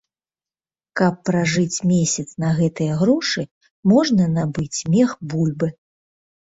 Каб пражыць месяц на гэтыя грошы, можна набыць мех бульбы!